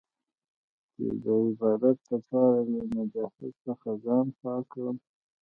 چې د عبادت لپاره له نجاست څخه ځان پاک کړم.